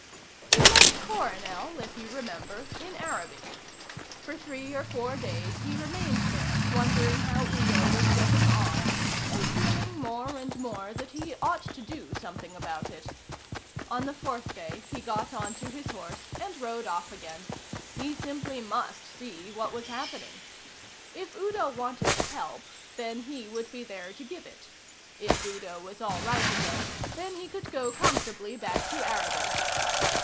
We left Coronel, if you remember, in Araby. For three or four days he remained there, wondering how Udo was getting on, and feeling more and more that he ought to do something about it. On the fourth day he got on to his horse and rode off again. He simply must see what was happening. If Udo wanted to help, then he would be there to give it; if Udo was all right again, then he could go comfortably back to Araby.